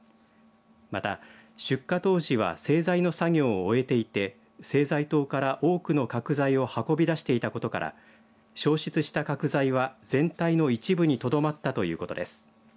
また出火当時は製材の作業を終えていて製材棟から多くの角材を運び出していたことから焼失した角材は全体の一部にとどまったということです。